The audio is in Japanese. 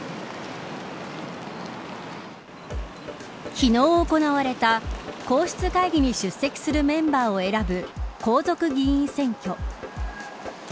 昨日行われた皇室会議に出席するメンバーを選ぶ皇族議員選挙。